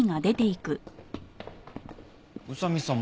宇佐見さん